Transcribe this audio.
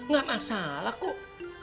gak masalah kok